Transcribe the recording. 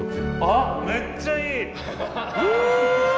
あっめっちゃいい！